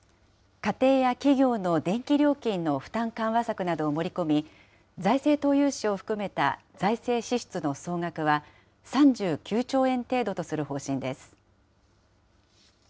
家庭や企業の電気料金の負担緩和策などを盛り込み、財政投融資を含めた財政支出の総額は、３９兆円程度とする方針です。